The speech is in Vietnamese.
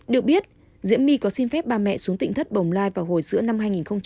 được biết diễm my có xin phép ba mẹ xuống tỉnh thất bồng lai vào hồi giữa năm hai nghìn một mươi sáu